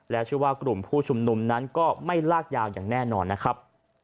และชื่อว่ากลุ่มผู้ชุมนุมนั้นก็ไม่ลากยาวอย่างแน่นอนนะครับ